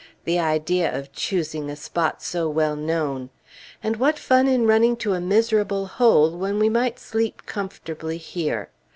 The idea of choosing a spot so well known! And what fun in running to a miserable hole, when we might sleep comfortably here?